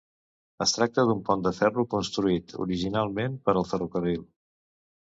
Es tracta d'un pont de ferro construït originalment per al ferrocarril.